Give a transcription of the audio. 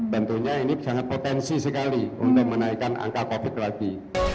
tentunya ini sangat potensi sekali untuk menaikkan angka covid lagi